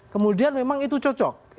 kemudian memang itu cocok